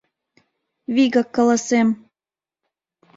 Вигак каласем!